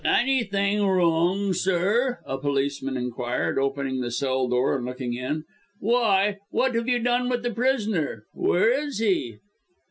"Anything wrong, sir?" a policeman inquired, opening the cell door and looking in. "Why, what have you done with the prisoner where is he?"